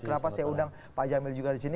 kenapa saya undang pak jamil juga disini